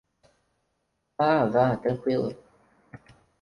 Vá, vá, tranqüilo.